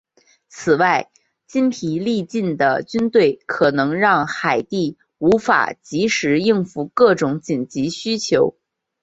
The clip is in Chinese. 此外精疲力竭的军队可能让海地无法即时应付各种紧急需求。